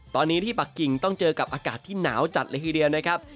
ตอนนี้ที่ปักกิ่งต้องเจอกับอากาศที่หนาวจัดเลยทีเดียวนะครับ